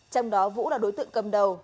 trong đó vũ là đối tượng cầm đầu